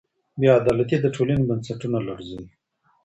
بې عدالتي د ټولني بنسټونه لړزوي.